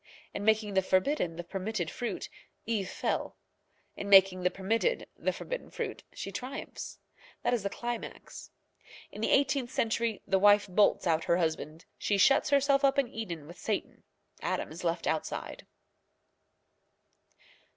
In making the forbidden the permitted fruit, Eve fell; in making the permitted the forbidden fruit, she triumphs. That is the climax. In the eighteenth century the wife bolts out her husband. She shuts herself up in Eden with Satan. Adam is left outside.